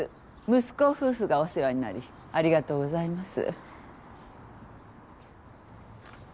息子夫婦がお世話になりありがとうございます。